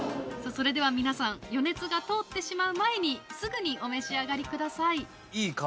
それでは皆さん余熱が通ってしまう前にすぐにお召し上がりください。